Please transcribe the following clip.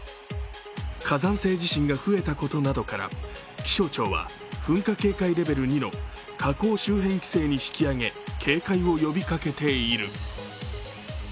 火山性地震が増えたことなどから気象庁は噴火警戒レベル２の火口周辺規制に引き上げ警戒を呼びかけている。